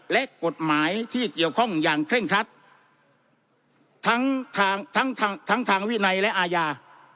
และกฎหมายที่เกี่ยวข้องอย่างเคร่งครัดทั้งทางทั้งทั้งทางวินัยและอาญา